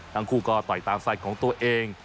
ทั้งคู่ก็ต่อยตามใส่ของตัวเอง